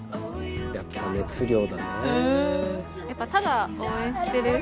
やっぱ熱量だね。